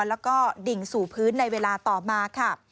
แล้วก็ดิ่งสู่พื้นในเวลาต่อมาค่ะ